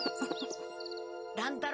乱太郎！